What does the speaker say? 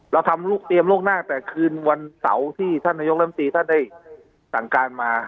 เราทำเตรียมล่วงหน้าแต่คืนวันเสาร์ที่ท่านนายกรรมตรีท่านได้สั่งการมา